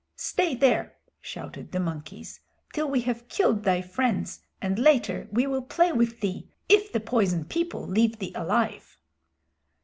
"Stay there," shouted the monkeys, "till we have killed thy friends, and later we will play with thee if the Poison People leave thee alive."